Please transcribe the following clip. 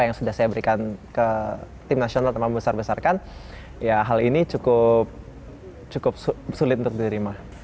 dan yang sudah saya berikan ke tim nasional teman besar besarkan ya hal ini cukup sulit untuk diterima